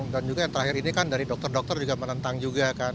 dan juga yang terakhir ini kan dari dokter dokter juga menentang juga kan